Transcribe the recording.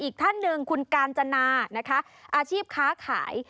อีกท่านหนึ่งคุณกาญจนานะคะอาชีพค้าขาย